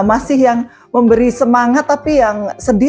masih yang memberi semangat tapi yang sedih